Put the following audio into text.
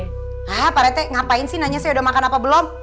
hah pak rete ngapain sih nanya saya udah makan apa belum